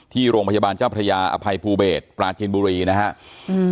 ที่โรงพยาบาลเจ้าพระยาอภัยภูเบศปราจินบุรีนะฮะอืม